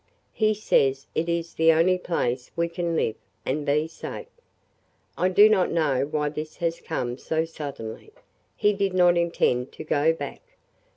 He says it is the only place we can live – and be safe. I do not know why this has come so suddenly. He did not intend to go back.